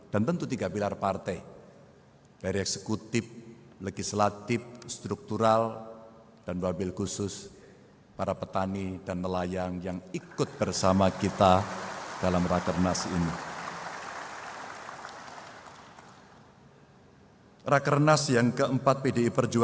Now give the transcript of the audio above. dari kementerian terima kasih